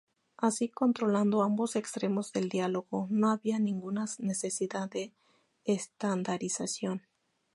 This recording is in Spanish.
Así, controlando ambos extremos del diálogo, no había ninguna necesidad de estandarización.